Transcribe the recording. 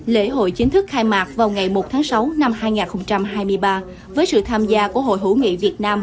lễ hội chính thức khai mạc vào ngày một tháng sáu năm hai nghìn hai mươi ba với sự tham gia của hội hữu nghị việt nam